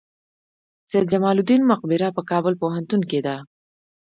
سید جمال الدین مقبره په کابل پوهنتون کې ده؟